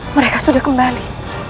mereka sudah kembali